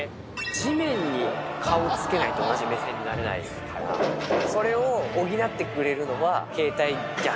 地面に顔つけないと、同じ目線になれないから、それを補ってくれるのは、携帯逆。